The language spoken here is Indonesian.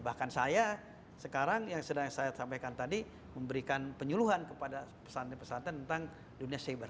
bahkan saya sekarang yang sedang saya sampaikan tadi memberikan penyuluhan kepada pesantren pesantren tentang dunia cyber